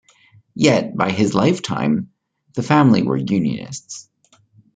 Yet by his lifetime, the family were unionists.